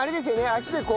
足でこう。